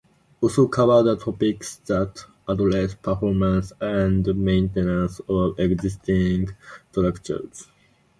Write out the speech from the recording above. Also covered are topics that address performance and maintenance of existing structures.